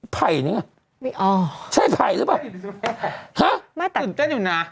ไผ่นึงอ่ะไม่ออกใช่ไผ่หรือเปล่าตื่นเต้นอยู่น่ะ